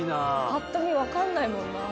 パッと見分かんないもんなあ。